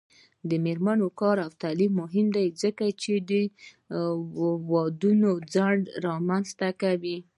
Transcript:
د میرمنو کار او تعلیم مهم دی ځکه چې ودونو ځنډ رامنځته کوي.